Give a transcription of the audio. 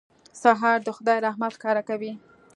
سهار د خدای رحمت ښکاره کوي.